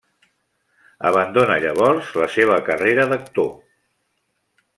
Abandona llavors la seva carrera d'actor.